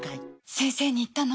先生に言ったの？